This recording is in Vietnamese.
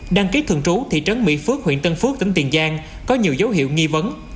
đăng ký thường trú thị trấn mỹ phước huyện tân phước tỉnh tiền giang có nhiều dấu hiệu nghi vấn